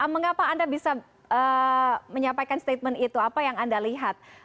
mengapa anda bisa menyampaikan statement itu apa yang anda lihat